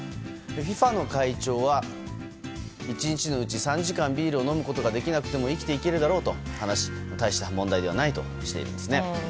ＦＩＦＡの会長は１日のうち３時間ビールを飲むことができなくても生きていけるだろうと話し大した問題ではないとしていますね。